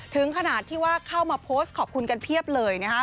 ถึงขนาดที่ว่าเข้ามาโพสต์ขอบคุณกันเพียบเลยนะคะ